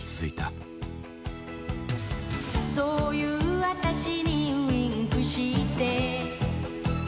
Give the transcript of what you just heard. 「そういう私にウィンクして」